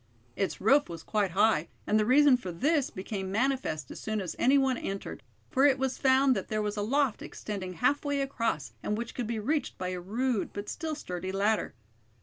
Its roof was quite high, and the reason for this became manifest as soon as any one entered; for it was found that there was a loft extending halfway across, and which could be reached by a rude but still sturdy ladder.